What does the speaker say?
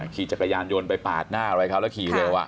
ขี่จักรยานยนต์ไปปาดหน้าอะไรเขาแล้วขี่เร็ว